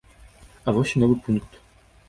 А вось і новы пункт.